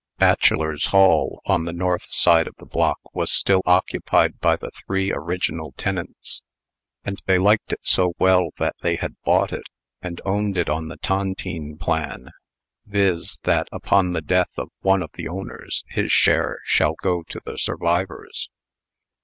Bachelors' Hall, on the north side of the block, was still occupied by the three original tenants; and they liked it so well, that they had bought it, and owned it on the Tontine plan viz., that, upon the death of one of the owners, his share shall go to the survivors.